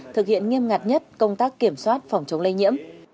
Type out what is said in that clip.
thực hiện nghiêm ngặt nhất công tác kiểm soát phòng chống lây nhiễm